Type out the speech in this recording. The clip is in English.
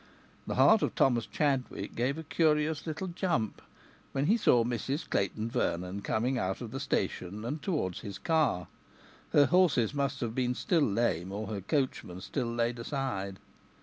The heart of Thomas Chadwick gave a curious little jump when he saw Mrs Clayton Vernon coming out of the station and towards his car. (Her horses must have been still lame or her coachman still laid aside.)